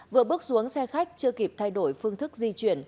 vừa bước xuống xe khách chưa kịp thay đổi phương thức di chuyển